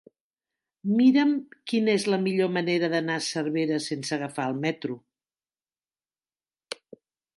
Mira'm quina és la millor manera d'anar a Cervera sense agafar el metro.